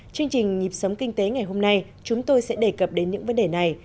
chương trình nhịp sống kinh tế ngày hôm nay chúng tôi sẽ đề cập đến những vấn đề này